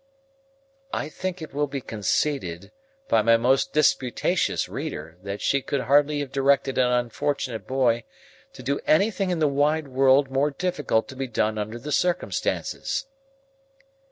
I think it will be conceded by my most disputatious reader, that she could hardly have directed an unfortunate boy to do anything in the wide world more difficult to be done under the circumstances.